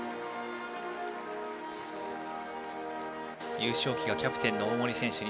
優勝旗がキャプテンの大森選手に。